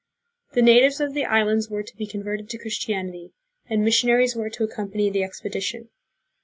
The natives of the islands were to be converted to Christianity, and missionaries were to accompany the expedition.